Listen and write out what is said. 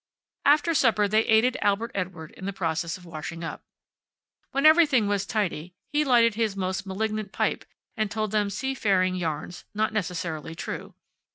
After supper they aided Albert Edward in the process of washing up. When everything was tidy he lighted his most malignant pipe and told them seafaring yarns not necessarily true.